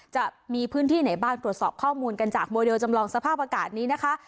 จะมีพื้นที่ไหนบ้างตรวจสอบข้อมูลกันจากโมเดลจำลองสภาพอากาศนี้นะคะ